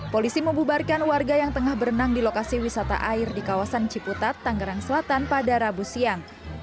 polisi membubarkan warga yang tengah berenang di lokasi wisata air di kawasan ciputat tangerang selatan pada rabu siang